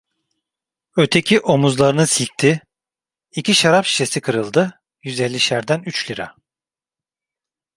Öteki omuzlarını silkti: "İki şarap şişesi kırıldı, yüz ellişerden üç lira…"